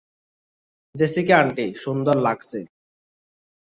Jessica aunty, সুন্দর লাগছে।